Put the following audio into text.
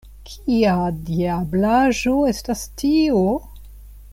Kia diablaĵo estas tio?